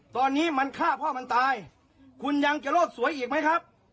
ตอนนี้มันฆ่าพ่อมันตายคุณยังจะรอดสวยอีกไหมครับ